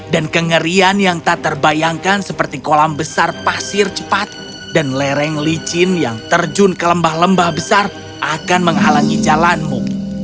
dan kengerian yang tak terbayangkan seperti kolam besar pasir cepat dan lereng licin yang terjun ke lembah lembah besar akan menghalangi jalanmu